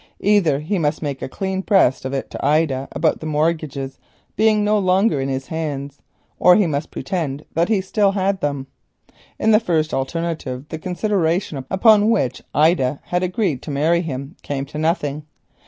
Either he must make a clean breast of it to Ida about the mortgages being no longer in his hands or he must pretend that he still had them. In the first alternative, the consideration upon which she had agreed to marry him came to nothing.